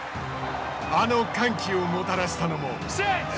あの歓喜をもたらしたのも。